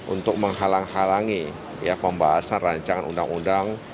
untuk menghalang halangi pembahasan rancangan undang undang